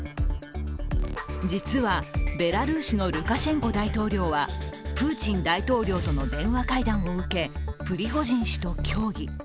実はベラルーシのルカシェンコ大統領はプーチン大統領との電話会談を受けプリゴジン氏と協議。